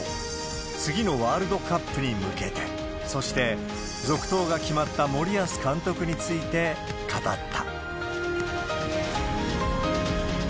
次のワールドカップに向けて、そして、続投が決まった森保監督について語った。